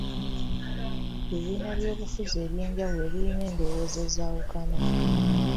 Ebibiina by'obufuzi eby'enjawulo birina endowooza ezawukana.